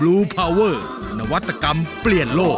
เห็นกราฟฟิครายการแปลกใหม่ปีนใหม่